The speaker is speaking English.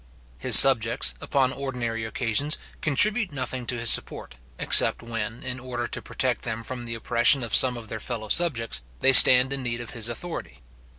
His subjects, upon ordinary occasions, contribute nothing to his support, except when, in order to protect them from the oppression of some of their fellow subjects, they stand in need of his authority.